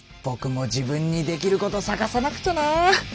ぼくも自分にできることさがさなくちゃな。